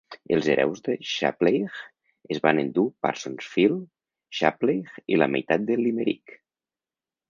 Els hereus de Shapleigh es van endur Parsonsfield, Shapleigh i la meitat de Limerick.